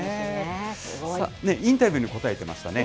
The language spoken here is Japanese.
インタビューにも答えてましたね。